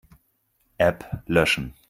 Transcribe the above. App löschen.